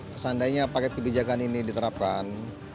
seandainya paket kebijakan ini diterapkan